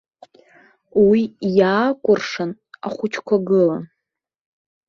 Уи иаакәыршан ахәыҷқәа гылан.